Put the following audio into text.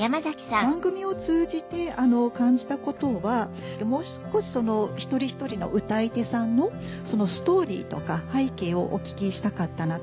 番組を通じて感じたことはもう少し１人１人の歌い手さんのストーリーとか背景をお聞きしたかったなと。